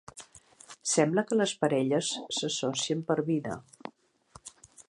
Sembla que les parelles s'associen per vida.